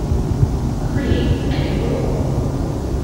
Create any rule.